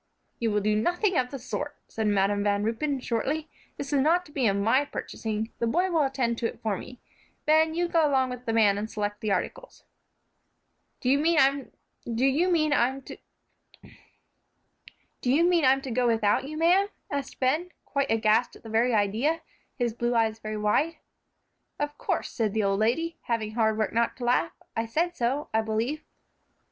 "You will do nothing of the sort," said Madam Van Ruypen, shortly; "this is not to be of my purchasing; this boy will attend to it for me. Ben, you go along with the man and select the articles." "Do you mean I'm to go without you, ma'am?" asked Ben, quite aghast at the very idea, his blue eyes very wide. "Of course," said the old lady, having hard work not to laugh; "I said so, I believe."